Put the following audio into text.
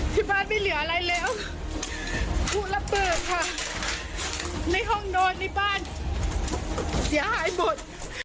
ที่บ้านไม่เหลืออะไรแล้วผู้ระเปลือกค่ะในห้องนอนในบ้านเสียหายหมด